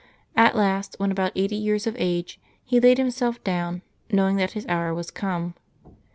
At last, when about eighty years of age, he laid himself down, knowing that his hour was come.